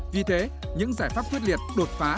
vì thế những giải pháp thuyết liệt đột phá